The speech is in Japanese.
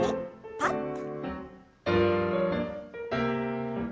パッと。